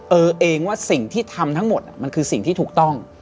เออเองว่าสิ่งที่ทำทั้งหมดมันคือสิ่งที่ถูกต้อง